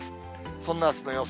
そんなあすの予想